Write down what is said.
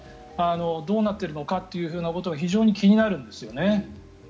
どうなっているのかということが非常に気になるんですよね。